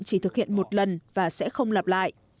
chỉ thực hiện một lần và sẽ không lặp lại